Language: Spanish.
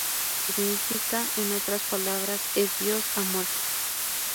Su Significa En Otras Palabras Es Dios Ha Muerto